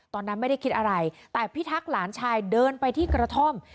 ตอนนั้นไม่ได้คิดอะไรแต่พิทักษ์หลานชายเดินไปที่กระท่อม